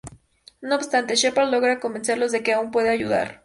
No obstante, Sheppard logra convencerlos de que aun pueden ayudar.